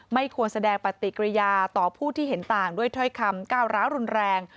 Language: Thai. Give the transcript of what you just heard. ไม่ควรแสดงปฏิกิริยาต่อผู้ที่เห็นต่างด้วยถ้อยคำก้าวร้าวรุนแรง